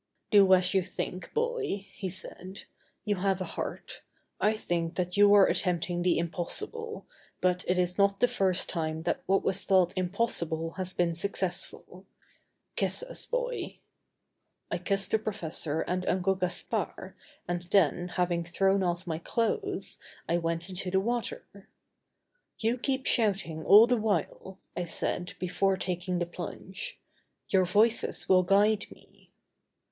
"Do as you think, boy," he said; "you have a heart. I think that you are attempting the impossible, but it is not the first time that what was thought impossible has been successful. Kiss us, boy." I kissed the professor and Uncle Gaspard and then, having thrown off my clothes, I went into the water. "You keep shouting all the while," I said, before taking the plunge; "your voices will guide me."